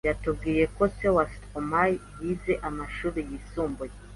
yatubwiye ko se wa Stromae yize amashuri yisumbuye